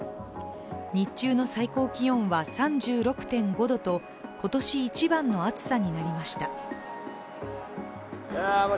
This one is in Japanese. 日中の最高気温は３６．５度と今年一番の暑さになりました。